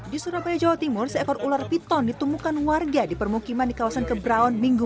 di surabaya jawa timur seekor ular piton ditemukan warga di permukiman di kawasan kebraon minggu